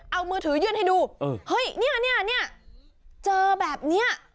เอามือถือยื่นให้ดูเฮ้ยเนี่ยเนี่ยเจอแบบเนี้ย